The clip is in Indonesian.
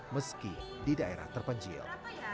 meski di daerah terpencil